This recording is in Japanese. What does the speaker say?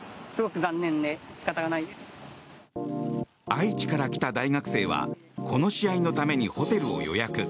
愛知から来た大学生はこの試合のためにホテルを予約。